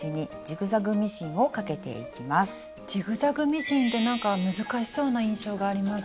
ジグザグミシンってなんか難しそうな印象があります。